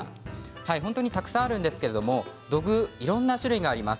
本当にたくさんあるんですけれど土偶、いろんな種類があります。